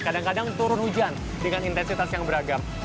kadang kadang turun hujan dengan intensitas yang beragam